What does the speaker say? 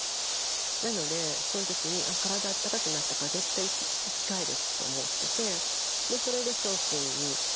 なのでそのときに体あったかくなったから絶対生き返ると思っててそれでしょうくんに。